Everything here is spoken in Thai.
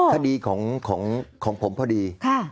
ท่านดีของผมพอดี